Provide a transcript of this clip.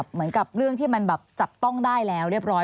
เหมือนกับเรื่องที่มันแบบจับต้องได้แล้วเรียบร้อย